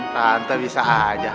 tante bisa aja